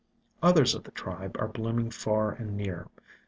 Others of the tribe are blooming far and near.